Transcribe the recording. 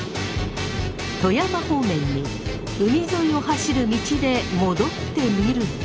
富山方面に海沿いを走る道で戻ってみると。